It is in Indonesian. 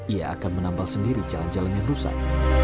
ia akan menambal sendiri jalan jalan yang rusak